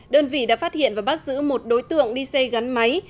đơn vị đã phát hiện và bắt giữ một đối tượng đi xe gắn máy